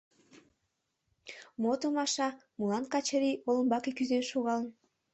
Мо томаша, молан Качырий олымбаке кӱзен шогалын?